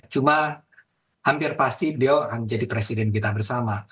cuma hampir pasti beliau akan jadi presiden kita bersama